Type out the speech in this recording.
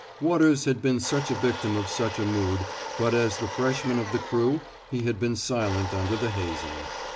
Waters had been such a victim of such a mood, but as the freshman of the crew he had been silent under the hazing.